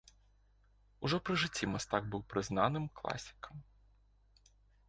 Ужо пры жыцці мастак быў прызнаным класікам.